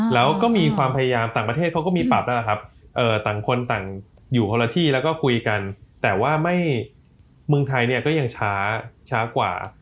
แล้วก็มีความพยายามต่างประเทศเขาก็มีปรับแล้วล่ะครับต่างคนต่างอยู่คนละที่แล้วก็คุยกันแต่ว่าไม่เมืองไทยเนี่ยก็ยังช้าช้ากว่า